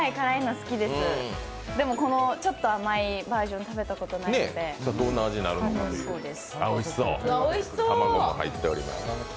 でもこのちょっと甘いバージョン食べたことないので。